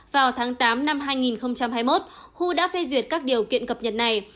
vào tháng tám năm hai nghìn hai mươi một hu đã phê duyệt các điều kiện cập nhật này